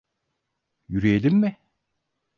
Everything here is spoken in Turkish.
Yürüyelim mi?